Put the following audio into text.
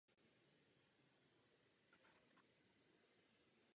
Pro tyto závody se čeští trenéři rozhodli změnit pořadí závodníků.